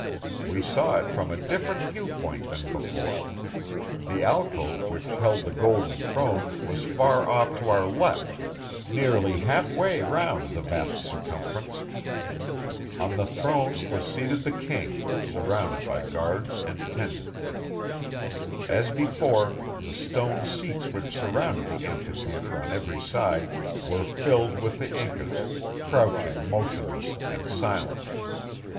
We saw it from a different viewpoint than before; the alcove which held the golden throne was far off to our left, nearly half way round the vast circumference. On the throne was seated the king, surrounded by guards and attendants. As before, the stone seats which surrounded the amphitheater on every side were filled with the Incas, crouching motionless and silent.